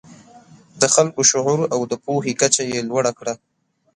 د خلکو شعور او د پوهې کچه یې لوړه کړه.